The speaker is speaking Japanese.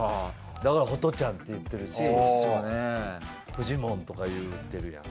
だからホトちゃんって言ってるしフジモンとか言うてるやん。